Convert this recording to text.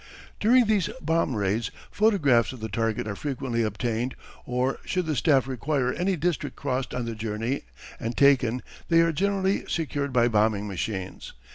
During these bomb raids photographs of the target are frequently obtained or should the staff require any district crossed on the journey and taken they are generally secured by bombing machines.